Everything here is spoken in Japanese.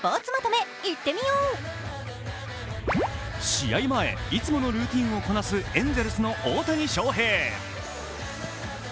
試合前、いつものルーチンをこなすエンゼルスの大谷翔平。